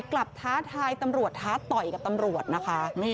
กลับท้าทายตำรวจท้าเต้ากับตำรวจนะคะ